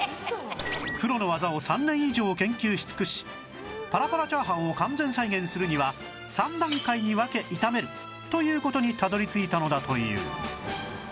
プロの技を３年以上研究し尽くしパラパラ炒飯を完全再現するには３段階に分け炒めるという事にたどり着いたのだという